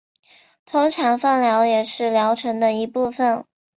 通常放疗也是疗程的一部分。